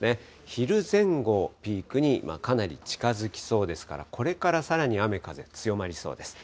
昼前後をピークにかなり近づきそうですから、これからさらに雨風強まりそうです。